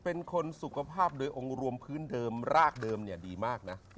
เป็นคนสุขภาพโดยองค์รวมพื้นเดิมรากเดิมเนี่ยดีมากนะ